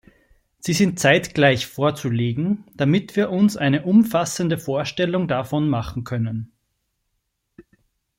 Sie sind zeitgleich vorzulegen, damit wir uns eine umfassende Vorstellung davon machen können.